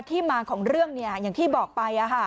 ที่มาของเรื่องอย่างที่บอกไป